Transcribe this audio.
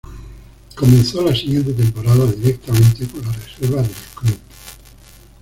Comenzó la siguiente temporada directamente con la reserva del club.